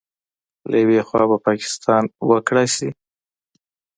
له یوې خوا به پاکستان وکړې شي